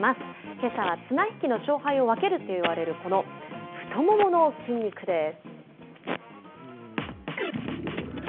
けさは綱引きの勝敗を分けるといわれるこの太ももの筋肉です。